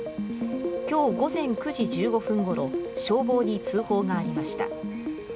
今日午前９時１５分ごろ消防に通報がありました。